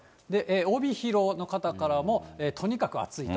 帯広の方からもとにかく暑いと。